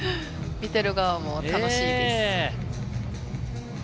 見てる側も楽しいです。